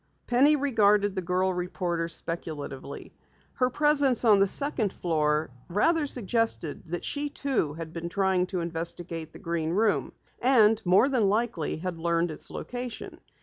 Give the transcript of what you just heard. Penny regarded the girl reporter speculatively. Her presence on the second floor rather suggested that she, too, had been trying to investigate the Green Room, and more than likely had learned its location.